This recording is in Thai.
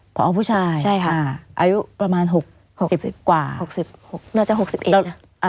พออาวุธ์ผู้ชายใช่ค่ะอายุประมาณหกสิบกว่าหกสิบหกน่าจะหกสิบเอ็ดน่ะ